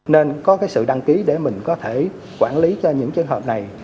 nên có cái sự đăng ký để mình có thể quản lý cho những trường hợp này